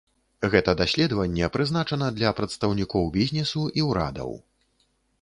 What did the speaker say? Гэта даследаванне прызначана для прадстаўнікоў бізнесу і ўрадаў.